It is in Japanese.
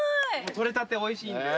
取れたておいしいんで。